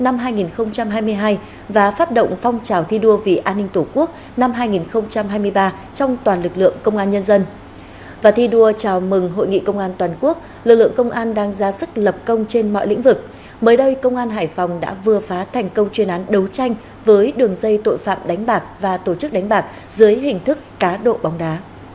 mới đây công an hải phòng đã vừa phá thành công chuyên án đấu tranh với đường dây tội phạm đánh bạc và tổ chức đánh bạc dưới hình thức cá độ bóng đá